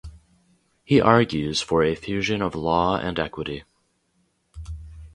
He argues for a fusion of law and equity.